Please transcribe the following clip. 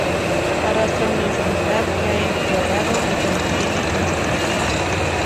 Arrastra una enfermedad que ha empeorado y que mantiene en secreto.